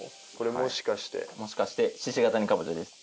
もしかして鹿ケ谷かぼちゃです。